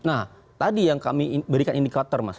nah tadi yang kami berikan indikator mas